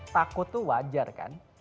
takut itu wajar kan